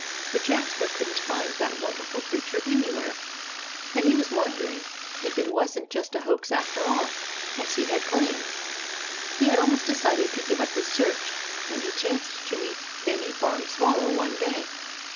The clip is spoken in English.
But Jasper couldn't find the wonderful creature anywhere. And he was wondering if it wasn't just a hoax after all, as he had claimed. He had almost decided to give up his search, when he chanced to meet Bennie Barn Swallow one day.